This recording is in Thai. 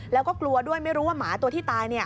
แล้วก็กลัวด้วยไม่รู้ว่าหมาตัวที่ตาย